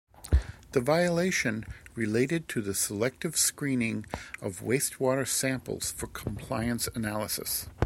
The violation related to the selective screening of wastewater samples for compliance analysis.